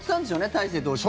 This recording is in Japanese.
大勢投手も。